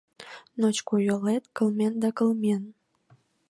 Ночко йолет кылмен да кылмен...